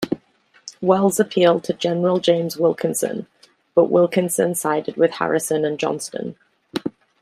Wells appealed to General James Wilkinson, but Wilkinson sided with Harrison and Johnston.